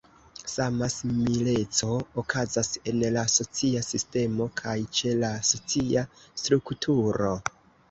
Sama simileco okazas en la "socia sistemo" kaj ĉe la "socia strukturo".